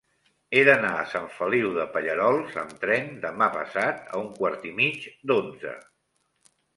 He d'anar a Sant Feliu de Pallerols amb tren demà passat a un quart i mig d'onze.